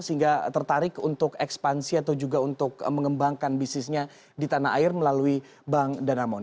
sehingga tertarik untuk ekspansi atau juga untuk mengembangkan bisnisnya di tanah air melalui bank danamon